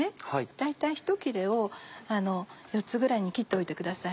大体１切れを４つぐらいに切っておいてください。